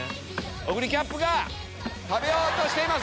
オグリキャップが食べようとしています